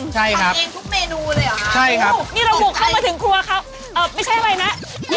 ซุดที่ร้านนี่ขายอาหารทะเล